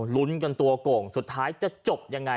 ลุ้นกันตัวโก่งสุดท้ายจะจบยังไง